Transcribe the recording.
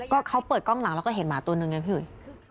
ก็เขาเปิดกล้องหลังแล้วก็เห็นหมาตัวนึงไงพี่หุย